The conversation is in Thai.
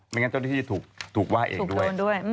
งั้นเจ้าหน้าที่ถูกว่าเองด้วย